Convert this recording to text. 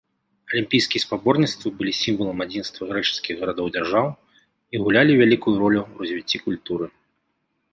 Алімпійскія спаборніцтвы былі сімвалам адзінства грэчаскіх гарадоў-дзяржаў і гулялі вялікую ролю ў развіцці культуры.